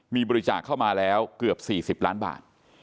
มีบริจาคเข้ามาแล้วเกือบ๔๐ล้านบาท